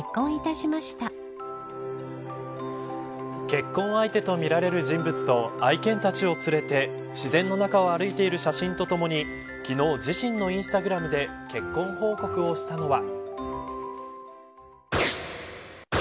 結婚相手とみられる人物と愛犬たちを連れて自然の中を歩いてる写真とともに昨日、自身のインスタグラムで結婚報告をしたのは。